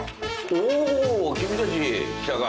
おお君たち来たか。